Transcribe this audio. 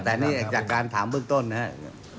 แต่นี่จากการถามเบื้องต้นนะครับ